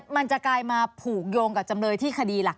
มันจะกลายมาผูกโยงกับจำเลยที่คดีหลัก